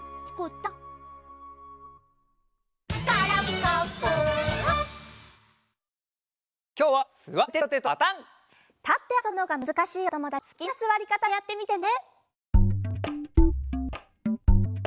たってあそぶのがむずかしいおともだちもすきなすわりかたでやってみてね！